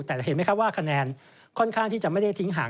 แต่เห็นไหมครับว่าคะแนนค่อนข้างที่จะไม่ได้ทิ้งห่าง